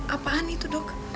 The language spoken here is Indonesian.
apaan itu dok